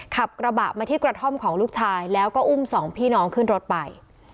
ขับกระบะมาที่กระท่อมของลูกชายแล้วก็อุ้มสองพี่น้องขึ้นรถไป